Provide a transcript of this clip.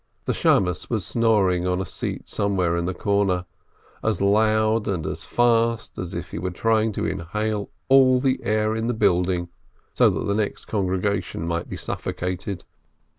The beadle was snoring on a seat somewhere in a corner, as loud and as fast as if he were trying to inhale all the air in the building, so that the next congregation might be suffocated.